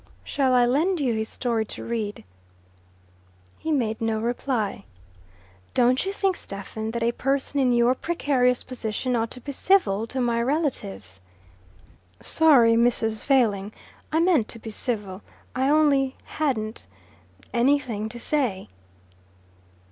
"Shall I lend you his story to read?" He made no reply. "Don't you think, Stephen, that a person in your precarious position ought to be civil to my relatives?" "Sorry, Mrs. Failing. I meant to be civil. I only hadn't anything to say."